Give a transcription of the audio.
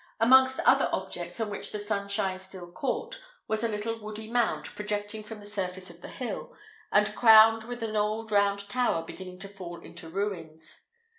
Amongst other objects on which the sunshine still caught, was a little woody mound projecting from the surface of the hill, and crowned with an old round tower beginning to fall into ruins.